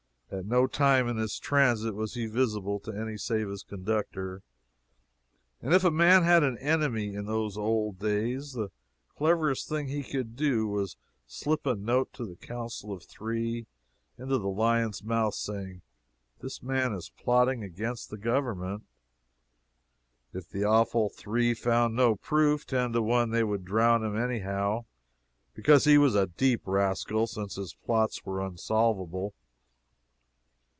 At no time in his transit was he visible to any save his conductor. If a man had an enemy in those old days, the cleverest thing he could do was to slip a note for the Council of Three into the Lion's mouth, saying "This man is plotting against the Government." If the awful Three found no proof, ten to one they would drown him anyhow, because he was a deep rascal, since his plots were unsolvable.